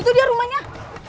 ih neng jadi barat